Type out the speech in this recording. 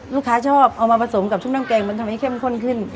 ชอบเอามาผสมกับชุบน้ำแกงมันทำให้เข้มข้นขึ้น